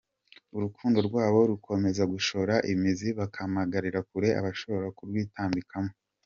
Urukundo rw’abo rukomeza gushora imizi bakamaganira kure abashobora kurwitambikamo.